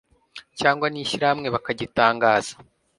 cyangwa n ishyirahamwe bakagitangaza